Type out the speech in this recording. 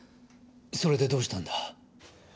それでどうしたんだ？